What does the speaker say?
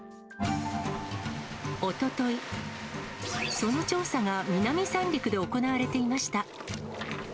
おととい、その調査が南三陸で行われていました。